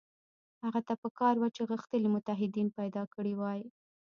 هغه ته په کار وه چې غښتلي متحدین پیدا کړي وای.